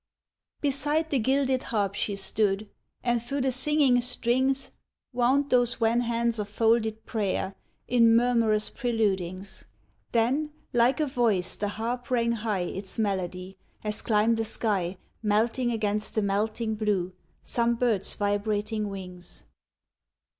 Beside the gilded harp she stood, And through the singing strings Wound those wan hands of folded prayer In murmurous preludings. Then, like a voice, the harp rang high Its melody, as climb the sky, Melting against the melting blue, Some bird's vibrating wings.